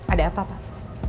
ada apa pak